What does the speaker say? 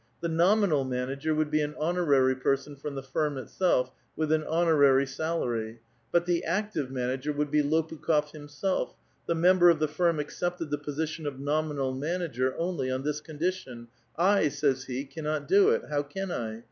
The nominal manager would be an honorary person from the firm itself, with an honorary salary, but the active manager would be Lopukh6f himself : the member of the firm accepted the position of nominal manager only on this condition: "I," says he, "cannot do it; how can I?"